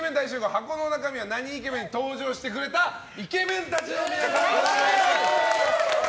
箱の中身はなにイケメン？に登場してくれたイケメンたちの皆さんです。